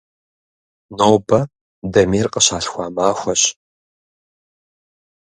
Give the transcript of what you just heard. Нобэ Дамир къыщалъхуа махуэщ.